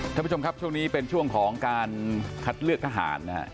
ท่านผู้ชมครับช่วงนี้เป็นช่วงของการคัดเลือกทหารนะฮะ